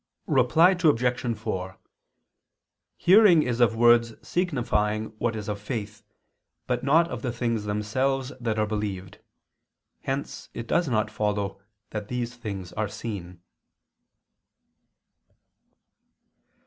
Reply Obj. 4: Hearing is of words signifying what is of faith, but not of the things themselves that are believed; hence it does not follow that these things are seen.